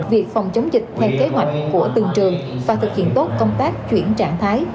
việc phòng chống dịch theo kế hoạch của từng trường và thực hiện tốt công tác chuyển trạng thái